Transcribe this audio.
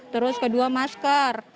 terus kedua masker